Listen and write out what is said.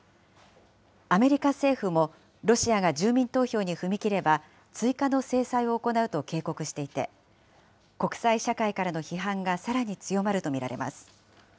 アメリカ政府も、ロシアが住民投票に踏み切れば、追加の制裁を行うと警告していて、国際社会からの批判がさらに強まると見られます。